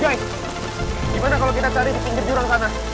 gimana kalau kita cari di pinggir jurang sana